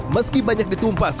meski banyak ditumpas